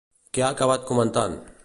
Què ha acabat comentant?